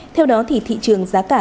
theo đó thì thị trường giá cả